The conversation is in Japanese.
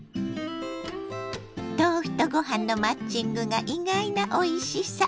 豆腐とご飯のマッチングが意外なおいしさ。